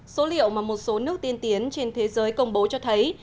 số liệu mà một số nước tiên tiến trên thế giới công bố cho thấy